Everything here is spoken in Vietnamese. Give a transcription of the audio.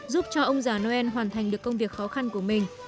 giúp cho ông già noel hoàn thành được công việc khó khăn của mình